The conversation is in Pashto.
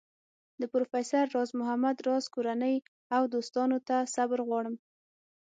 د پروفیسر راز محمد راز کورنۍ او دوستانو ته صبر غواړم.